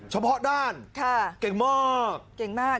เฉพาะด้านเก่งมาก